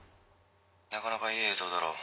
「なかなかいい映像だろ？